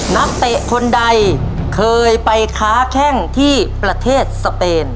นักเตะคนใดเคยไปค้าแข้งที่ประเทศสเปน